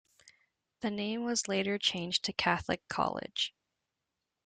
The name was later changed to Catholic College.